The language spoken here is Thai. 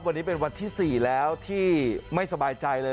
วันนี้เป็นวันที่๔แล้วที่ไม่สบายใจเลย